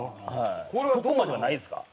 そこまではないですか？